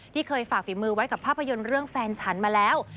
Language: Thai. ที่เคยฝากฝีมือไว้กับภาพยนตร์เรื่องแฟนฉันมาแล้ว